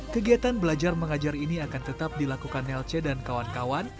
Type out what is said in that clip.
kegiatan belajar mengajar ini akan tetap dilakukan nelce dan kawan kawan